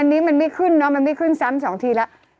อันนี้มันไม่ขึ้นเนอะมันไม่ขึ้นซ้ำสองทีแล้ว